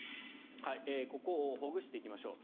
ここをほぐしていきましょう。